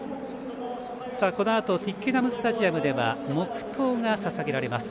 このあとトゥイッケナムスタジアムでは黙とうがささげられます。